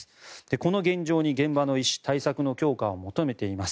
この現状に現場の医師は対策の強化を求めています。